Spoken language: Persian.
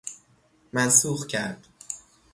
منسوخ کرد